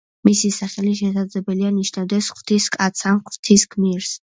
მისი სახელი, შესაძლებელია, ნიშნავდეს „ღვთის კაცს“ ან „ღვთის გმირს“.